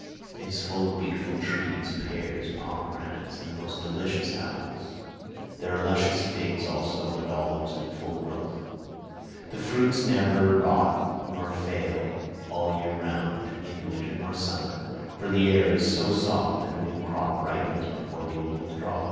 It is full of beautiful trees—pears, pomegranates, and the most delicious apples. There are luscious figs also, and olives in full growth. The fruits never rot nor fail all the year round, neither winter nor summer, for the air is so soft that a new crop ripens before the old has dropped.